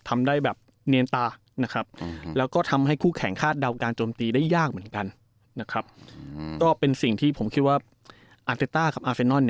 ทำได้แบบเนียนตานะครับ